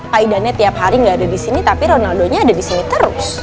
pak idannya tiap hari nggak ada di sini tapi ronaldonya ada di sini terus